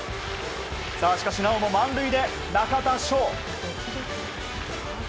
しかし、なおも満塁で中田翔。